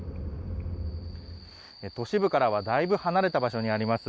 都市部からはだいぶ離れた場所にあります